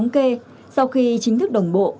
khi chính thức đồng bộ